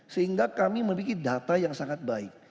sehingga kami memiliki data yang sangat baik